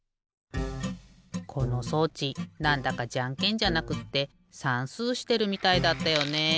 この装置なんだかじゃんけんじゃなくってさんすうしてるみたいだったよね。